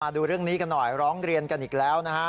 ดูเรื่องนี้กันหน่อยร้องเรียนกันอีกแล้วนะฮะ